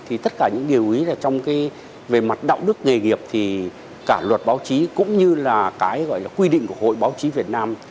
thì tất cả những điều ý là trong cái về mặt đạo đức nghề nghiệp thì cả luật báo chí cũng như là cái gọi là quy định của hội báo chí việt nam